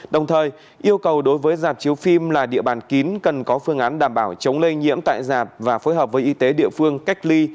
đồng thời yêu cầu đối với giạt chiếu phim là địa bàn kín cần có phương án đảm bảo chống lây nhiễm tại giạt và phối hợp với y tế địa phương cách ly